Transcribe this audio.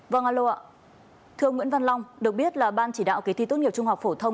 vâng ạ thưa ông nguyễn văn long được biết là ban chỉ đạo kỳ thi tốt nghiệp trung học phổ thông